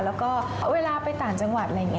แล้วก็เวลาไปต่างจังหวัดอะไรอย่างนี้